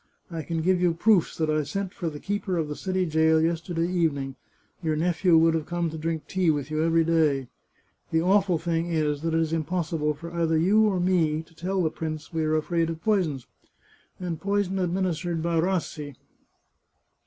I can give you proofs that I sent for the keeper of the city jail yesterday evening. Your nephew would have come to drink tea with you every day. The awful thing is that it is impossible for either you or me to tell the prince we are afraid of poison, and poison administered by Rassi.